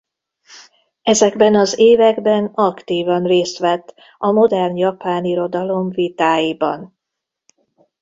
Ezekben az években aktívan részt vett a modern japán irodalom vitáiban.